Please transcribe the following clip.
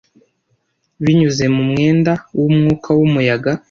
binyuze mu mwenda wumwuka wumuyaga